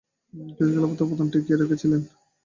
তিনি খেলাফতের পতন ঠেকিয়ে রেখেছিলেন।